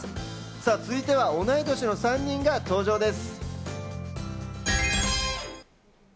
続いては同い年の３人が登場です。